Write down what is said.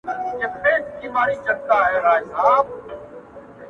باز له ليري را غوټه له شنه آسمان سو!.